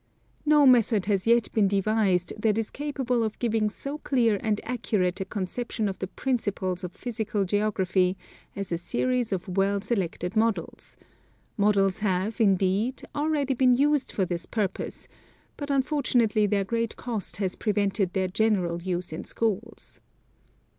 No method has yet been devised that is capable of giving so clear and accurate a conception of the principles of physical geography as a series of well selected models; models have, indeed, already been used for this purpose, but unfor tunately their great cost has prevented their general use in schools.